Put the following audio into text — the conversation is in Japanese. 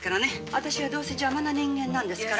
私はどうせ邪魔な人間なんですから」。